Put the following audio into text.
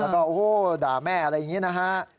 แล้วก็ด่าแม่อะไรอย่างนี้นะ